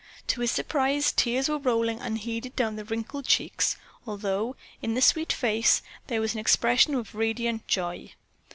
To his surprise tears were rolling unheeded down the wrinkled cheeks, although, in the sweet face, there was an expression of radiant joy.